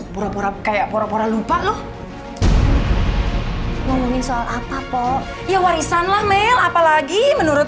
pura pura kayak pura pura lupa loh ngomongin soal apa po ya warisan lah mel apalagi menurut